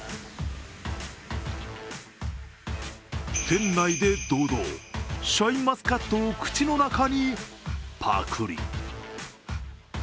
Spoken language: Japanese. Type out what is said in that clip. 店内で堂々、シャインマスカットを口の中にパクリ。